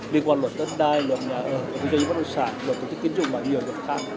liên quan luật tất đai luật nhà ơ luật tự do như bất đồ sản luật tự do như kiến trục và nhiều luật khác